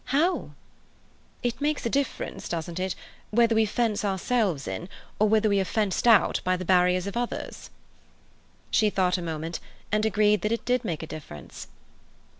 "How?" "It makes a difference doesn't it, whether we fully fence ourselves in, or whether we are fenced out by the barriers of others?" She thought a moment, and agreed that it did make a difference.